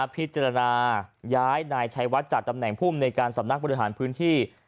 พิจารณาย้ายนายชัยวัดจากตำแหน่งภูมิในการสำนักบริหารพื้นที่